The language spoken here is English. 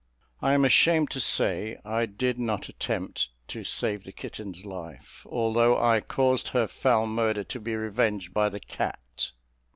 I am ashamed to say I did not attempt to save the kitten's life, although I caused her foul murder to be revenged by the cat.